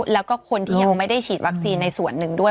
แล้วก็คนที่ยังไม่ได้ฉีดวัคซีนในส่วนหนึ่งด้วย